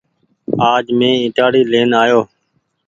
آج مين ائيٽآڙي لين آيو ۔